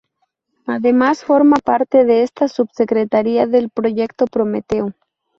Además, forma parte de esta subsecretaría el Proyecto Prometeo.